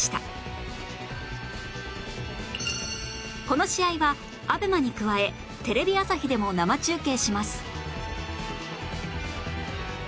この試合は ＡＢＥＭＡ に加えテレビ朝日でも生中継します